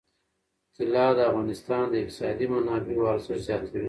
طلا د افغانستان د اقتصادي منابعو ارزښت زیاتوي.